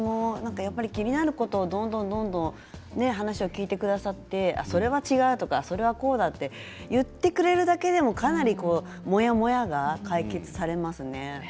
やっぱり気になることはどんどん話を聞いてくださってそれは違うとか、それはこうだと言ってくれるだけでもかなりモヤモヤが解決されますね。